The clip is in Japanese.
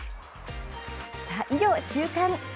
以上、週刊。